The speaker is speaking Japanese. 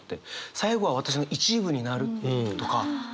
「最後は私の一部になる」とか「馴れる」。